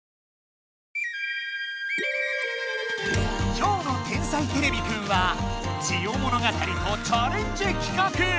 きょうの「天才てれびくん」は「ジオ物語」とチャレンジ企画！